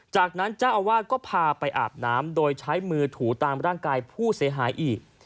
จากนั้นเจ้าอาวาสก็พาไปอาบน้ำโดยใช้มือถูตามร่างกายผู้เสียหายอีก